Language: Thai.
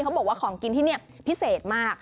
บอกว่าของกินที่นี่พิเศษมาก